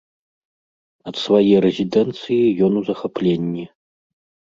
Ад свае рэзідэнцыі ён у захапленні.